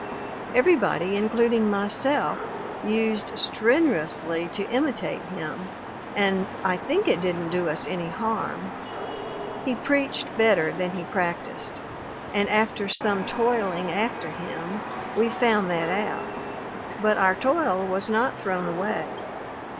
Everybody, including myself, used strenu ously to imitate him, and I think it didn't do us any harm; he preached better than he practiced, and after some toiling after him, we found that out, but our toil was not thrown away.